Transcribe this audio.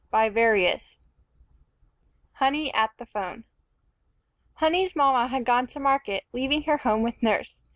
JOHN FRANCIS OLMSTED HONEY AT THE PHONE Honey's mama had gone to market, leaving her home with nurse.